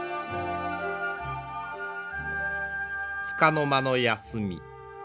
つかの間の休み。